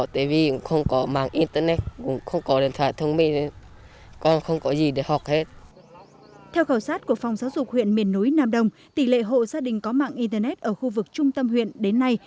theo khảo sát của phòng giáo dục huyện miền núi nam đông tỷ lệ hộ gia đình có mạng internet ở khu vực trung tâm huyện đến nay